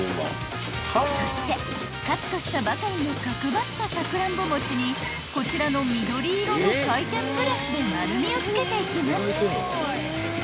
［そしてカットしたばかりの角張ったさくらんぼ餅にこちらの緑色の回転ブラシで丸みをつけていきます］